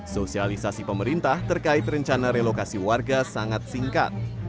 sosialisasi pemerintah terkait rencana relokasi warga sangat singkat